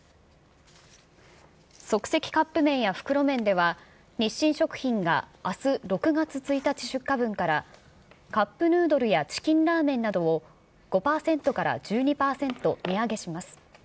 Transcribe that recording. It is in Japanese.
即席カップ麺や袋麺では、日清食品があす６月１日出荷分から、カップヌードルやチキンラーメンなどを５％から１２％値上げします。